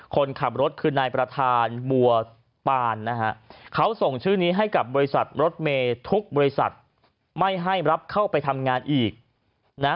คนขับรถคือนายประธานบัวปานนะฮะเขาส่งชื่อนี้ให้กับบริษัทรถเมย์ทุกบริษัทไม่ให้รับเข้าไปทำงานอีกนะ